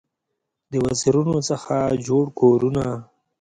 د وزرونو څخه جوړ کورونه